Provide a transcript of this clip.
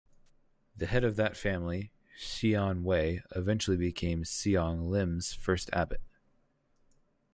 The head of that family, Xian Hui, eventually became Siong Lim's first abbot.